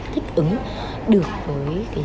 thích ứng được với